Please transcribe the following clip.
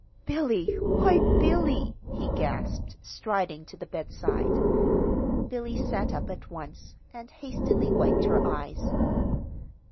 "Billy! Why, Billy!" he gasped, striding to the bedside. Billy sat up at once, and hastily wiped her eyes.